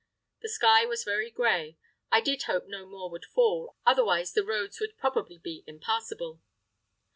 The sky was very grey; I did hope no more would fall, otherwise the roads would probably be impassable.